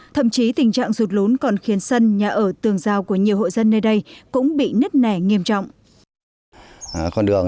thậm chí tình trạng rụt lốn còn khiến sân nhà ở tường giao của nhiều hội dân nơi đây cũng bị nứt nẻ nghiêm trọng